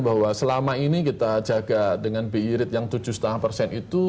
bahwa selama ini kita jaga dengan birib yang tujuh lima itu